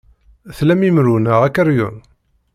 Tlam imru neɣ akeryun?